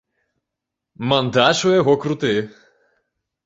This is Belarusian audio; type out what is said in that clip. Мантаж у яго круты!